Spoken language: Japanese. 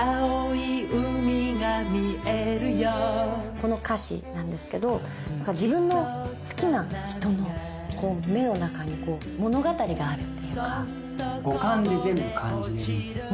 この歌詞なんですけど自分の好きな人の目の中に物語があるっていうか。